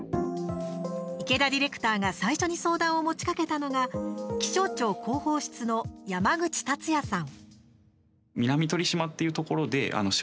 池田ディレクターが最初に相談を持ちかけたのが気象庁広報室の山口達也さん。